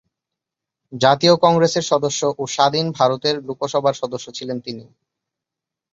জাতীয় কংগ্রেসের সদস্য ও স্বাধীন ভারতের লোকসভার সদস্য ছিলেন তিনি।